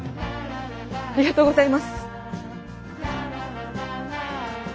ありがとうございます。